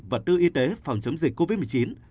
vật tư y tế phòng chống dịch covid một mươi chín